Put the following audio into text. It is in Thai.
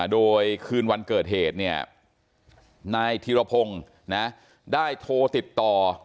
โดยคืนวันเกิดเหตุนายธีรพงศ์ได้โทรติดต่อ